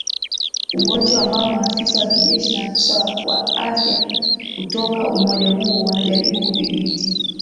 ugonjwa ambao maafisa wa kijeshi na afisa wa afya kutoka umoja huo wanajaribu kudhibiti